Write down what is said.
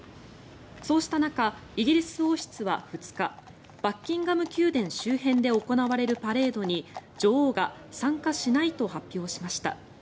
そうした中、イギリス王室は２日バッキンガム宮殿周辺で行われるパレードに女王が参加しないと発表しました。